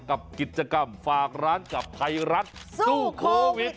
กับกิจกรรมฝากร้านกับไทยรัฐสู้โควิด